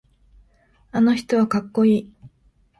あの人はかっこいい。